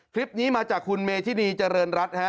คลิปนี้มาจากคุณเมธินีเจริญรัฐ